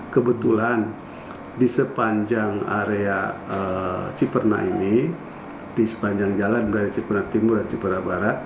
kebetulan di sepanjang area ciperna ini di sepanjang jalan dari cipernak timur dan cipera barat